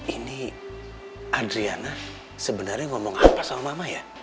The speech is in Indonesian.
ini adriana sebenarnya ngomong apa sama mama ya